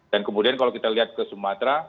dan kemudian kalau kita lihat ke sumatera